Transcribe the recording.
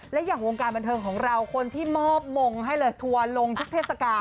และอย่างวงการบันเทิงของเราคนที่มอบมงให้เลยทัวร์ลงทุกเทศกาล